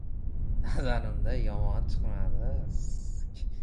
Nazarimda, yomon chiqmadi.